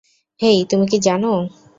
হেই, তুমি কী জানো?